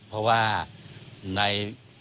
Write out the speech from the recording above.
เพราะว่าใน